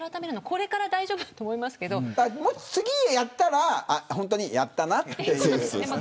これから大丈夫だと思いますけどもし、次やったら本当にやったなという。